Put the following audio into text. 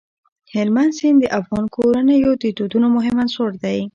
هلمند سیند د افغان کورنیو د دودونو مهم عنصر دی.